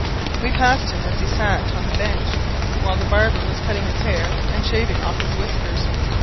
We passed him as he sat on the bench, while the barber was cutting his hair and shaving off his whiskers.